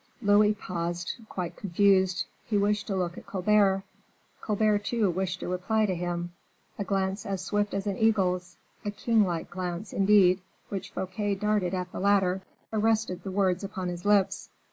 Louis paused quite confused. He wished to look at Colbert; Colbert, too, wished to reply to him; a glance as swift as an eagle's, a king like glance, indeed, which Fouquet darted at the latter, arrested the words upon his lips.